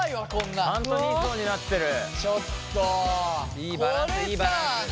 いいバランスいいバランス。